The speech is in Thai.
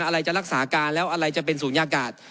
อะไรจะรักษาการแล้วอะไรจะเป็นศูนยากาศ